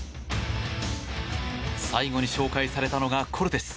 最後に紹介されたのがコルテス。